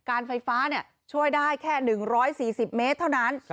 การไฟฟ้าช่วยได้แค่๑๔๐เมตรเท่านั้น